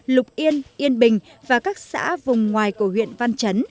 lục yên yên bình và các xã vùng ngoài của huyện văn chấn